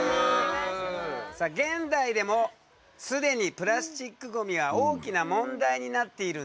さあ現代でも既にプラスチックごみは大きな問題になっているんだ。